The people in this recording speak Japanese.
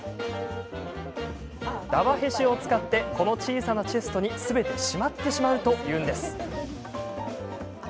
「だわへし」を使ってこの小さなチェストに、すべてしまってしまうというんです。